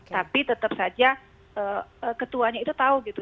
tapi tetap saja ketuanya itu tahu gitu